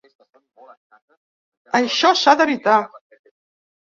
Això s’ha d’evitar.